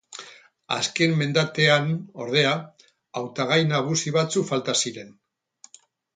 Azken mendatean, ordea, hautagai nagusi batzuk falta ziren.